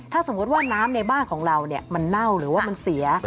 ถ้าสมมุติว่าน้ำในบ้านของเรามันเน่าหรือว่ามันเสีย